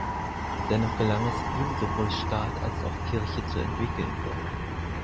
Dennoch gelang es ihm, sowohl Staat als auch Kirche zu entwickeln.